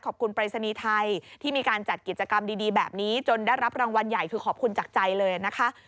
ปรายศนีย์ไทยที่มีการจัดกิจกรรมดีแบบนี้จนได้รับรางวัลใหญ่คือขอบคุณจากใจเลยนะคะ